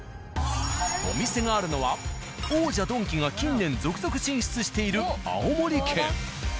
お店があるのは王者「ドンキ」が近年続々進出している青森県。